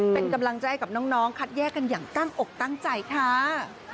เป็นกำลังใจกับน้องคัดแยกกันอย่างตั้งอกตั้งใจค่ะ